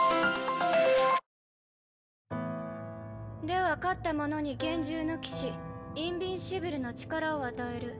では勝った者に幻獣の騎士インビンシブルの力を与える。